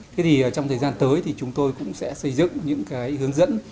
thế thì trong thời gian tới thì chúng tôi cũng sẽ xây dựng những cái hướng dẫn